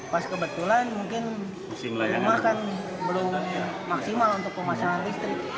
pas kebetulan mungkin rumah kan belum maksimal untuk pemasangan listrik